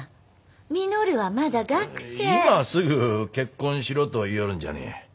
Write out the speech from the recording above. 今すぐ結婚しろと言ようるんじゃねえ。